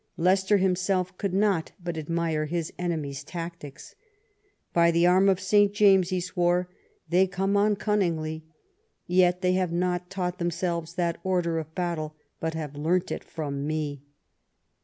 Leicester himself could not but admire his enemies' tactics. "By the arm of St. James," he swore, " they come on cun ningly. Yet they have not taught themselves that order of battle, but have learnt it from me."